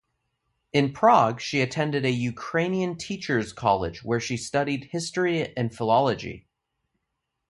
In Prague, she attended a Ukrainian teacher's college where she studied history and philology.